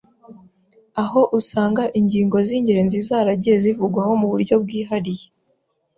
aho usanga ingingo z’ingenzi zaragiye zivugwaho mu buryo bwihariye,